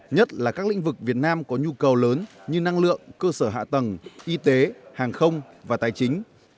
nhất là các lĩnh vực việt nam có nhu cầu lớn như năng lượng cơ sở hạ tầng y tế hàng không và tài chính